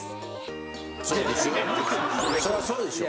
そうですよ。